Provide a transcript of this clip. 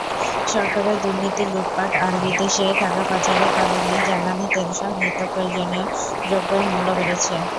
সরকারের দুর্নীতি, লুটপাট আর বিদেশে টাকা পাচারের কারণে জ্বালানি তেলসহ নিত্যপ্রয়োজনীয় দ্রব্যের মূল্য বেড়েছে।